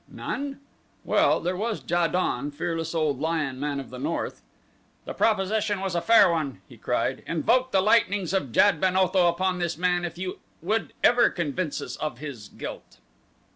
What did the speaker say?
None? Well, there was Ja don, fearless old Lion man of the north. "The proposition was a fair one," he cried. "Invoke the lightnings of Jad ben Otho upon this man if you would ever convince us of his guilt."